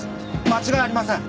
間違いありません。